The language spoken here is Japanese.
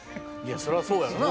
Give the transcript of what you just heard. そりゃそうやろうな。